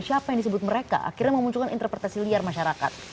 siapa yang disebut mereka akhirnya memunculkan interpretasi liar masyarakat